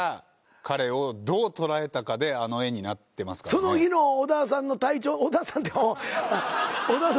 その日の織田さんの体調織田さんって。